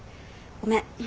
ごめん。